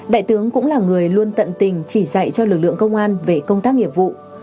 đại tướng cũng là người luôn tận tình chỉ dạy cho lực lượng công an về công tác nghiệp vụ